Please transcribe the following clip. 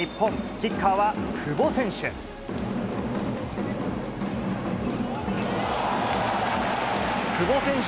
キッカーは久保選手。